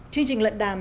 chương trình lận đàm